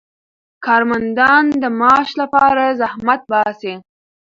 کارمندان د معاش لپاره زحمت باسي.